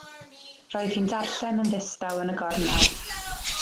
Roedd hi'n darllen yn ddistaw yn y gornel.